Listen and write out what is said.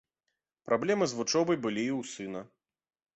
Праблемы з вучобай былі і ў сына.